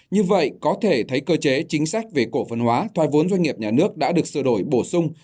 như vậy có thể thấy cơ chế chính sách về cổ phân hóa thoai vốn doanh nghiệp nhà nước đã được sửa đổi bổ sung